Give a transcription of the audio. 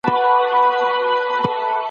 د هغوی حقوق لکه د مسلمان خوندي دي.